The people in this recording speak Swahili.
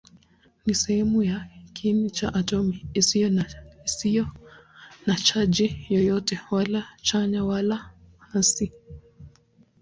Ni sehemu ya kiini cha atomi isiyo na chaji yoyote, wala chanya wala hasi.